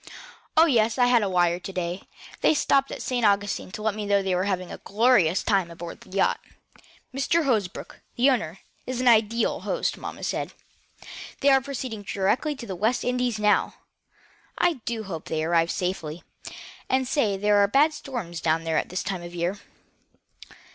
"Oh, yes. I had a wire to day. They stopped at St. Augustine to let me know they were having a glorious time aboard the yacht. Mr. Hosbrook, the owner, is an ideal host, mamma said. They are proceeding directly to the West Indies, now. I do hope they will arrive safely. They say there are bad storms down there at this time of year."